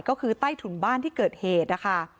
ก็คือใต้ถุนบ้านที่เกิดเหตุนะคะ